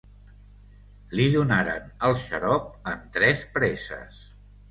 Li donaren el xarop en tres preses.